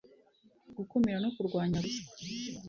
gukumira no kurwanya ruswa